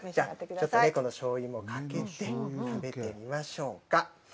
このしょうゆもかけて食べてみましょうか。